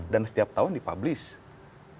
dan setiap tahun dipublish